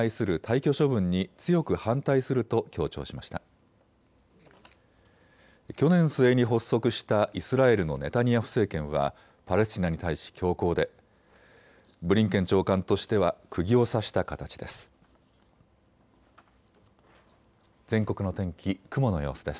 去年末に発足したイスラエルのネタニヤフ政権はパレスチナに対し強硬でブリンケン長官としてはくぎを刺した形です。